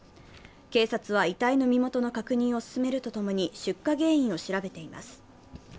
警察は遺体の身元の確認を進めるとともに出火原因を調べています。